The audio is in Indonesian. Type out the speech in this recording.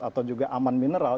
atau juga aman mineral